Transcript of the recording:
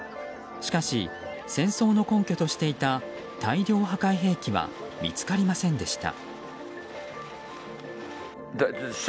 しかし戦争の根拠としていた大量破壊兵器は見つかりませんでした。